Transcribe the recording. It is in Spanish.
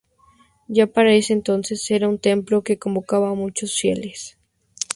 Ya para ese entonces era un templo que convocaba a muchos fieles.